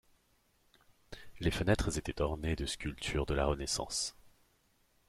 Les fenêtres étaient ornées de sculptures de la Renaissance.